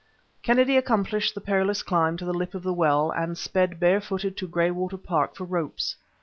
Kennedy accomplished the perilous climb to the lip of the well, and sped barefooted to Graywater Park for ropes.